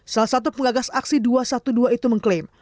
salah satu pengagas aksi dua ratus dua belas itu mengklaim